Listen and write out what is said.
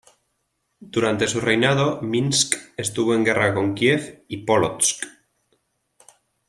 Durante su reinado Minsk estuvo en guerra con Kiev y Pólotsk.